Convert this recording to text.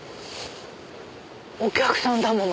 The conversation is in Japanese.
お客さんだもの。